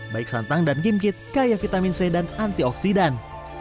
baik santang dan gimkit kaya vitamin c dan antioksidan